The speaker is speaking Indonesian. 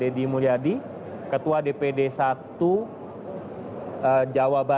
ini misalnya hari ini warna apel apel berwarna